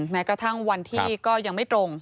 แม้กระทั่งวันที่ก็ยังไม่ตรง